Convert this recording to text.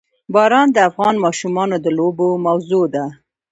باران د افغان ماشومانو د لوبو موضوع ده.